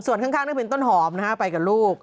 ส่วนข้างต้องเป็นต้นหอมนะฮะไปกับลูก